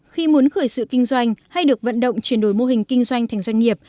khi muốn khởi sự kinh doanh hay được vận động chuyển đổi mô hình kinh doanh thành doanh nghiệp